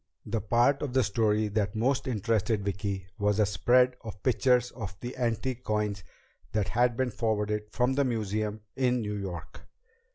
The part of the story that most interested Vicki was a spread of pictures of the antique coins that had been forwarded from the museum in New York.